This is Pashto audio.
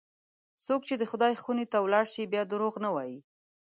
څوک چې د خدای خونې ته ولاړ شي، بیا دروغ نه وایي.